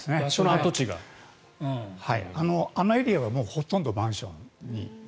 あのエリアはほとんどマンションに。